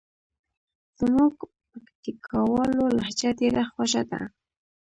زموږ پکتیکاوالو لهجه ډېره خوژه ده.